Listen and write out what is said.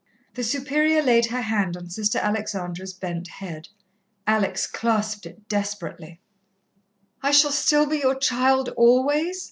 The Superior laid her hand on Sister Alexandra's bent head. Alex clasped it desperately. "I shall still be your child always?"